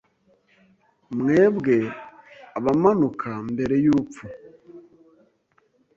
Mwebwe abamanuka mbere y'urupfu